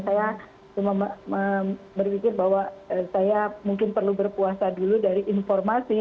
saya cuma berpikir bahwa saya mungkin perlu berpuasa dulu dari informasi